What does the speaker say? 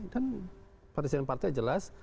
dan presiden partai jelas